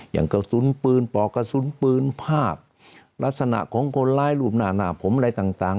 อย่างกระสุนปืนปอกกระสุนปืนภาพลักษณะของคนร้ายรูปหน้าหน้าผมอะไรต่าง